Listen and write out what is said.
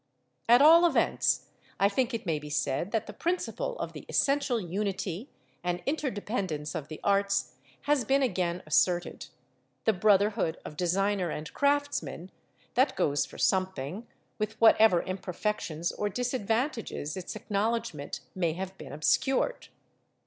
At all events, I think it may be said that the principle of the essential unity and interdependence of the arts has been again asserted the brotherhood of designer and craftsman; that goes for something, with whatever imperfections or disadvantages its acknowledgment may have been obscured.